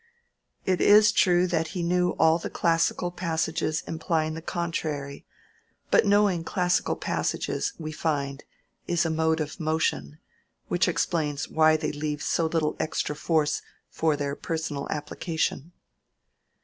It is true that he knew all the classical passages implying the contrary; but knowing classical passages, we find, is a mode of motion, which explains why they leave so little extra force for their personal application.